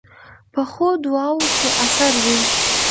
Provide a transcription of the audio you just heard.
پخو دعاوو کې اثر وي